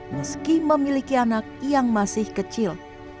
meski memiliki anak yang masih kecil